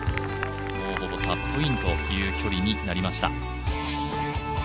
ほぼカップインという距離になりました。